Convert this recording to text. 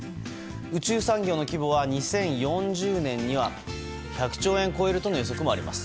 宇宙産業の規模は２０４０年には１００兆円を超えるとの予測もあります。